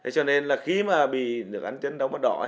cho nên khi bị nước ăn chân đau mắt đỏ